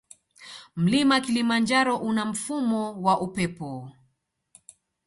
Mlima kilimanjaro una mfumo wa upepo